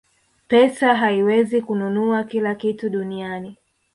pesa haiwezi kununua kila kitu duniani